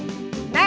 nanti aku jalan